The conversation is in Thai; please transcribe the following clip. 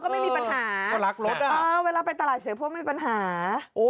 ก็ไม่มีปัญหาเวลาไปตลาดเสือพวกมีปัญหา